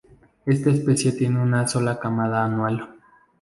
Esta especie tiene una sola camada anual.